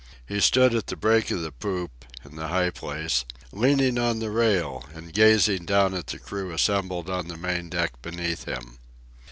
He stood at the break of the poop, in the high place, leaning on the rail and gazing down at the crew assembled on the main deck beneath him.